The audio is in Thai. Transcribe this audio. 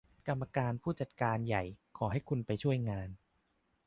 กรรมการผู้จัดการใหญ่ขอให้คุณไปช่วยงาน